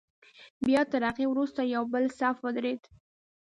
بیا تر هغه وروسته یو بل صف ودرېد.